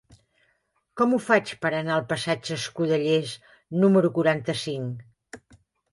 Com ho faig per anar al passatge d'Escudellers número quaranta-cinc?